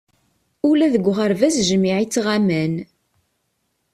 Ula deg uɣerbaz jmiɛ i ttɣaman.